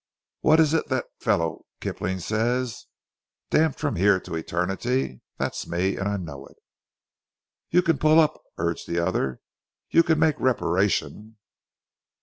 What is it that fellow Kipling says? 'Damned from here to Eternity'? That's me, and I know it." "You can pull up!" urged the other. "You can make reparation."